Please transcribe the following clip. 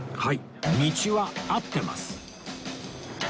はい道は合ってます